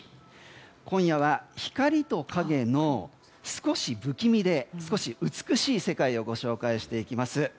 今夜は光と影の少し不気味で少し美しい世界をご紹介していきます。